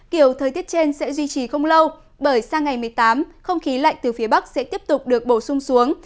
kiểu thời tiết trên sẽ duy trì không lâu bởi sang ngày một mươi tám không khí lạnh từ phía bắc sẽ tiếp tục được bổ sung xuống